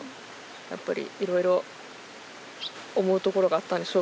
やっぱりいろいろ思うところがあったんでしょう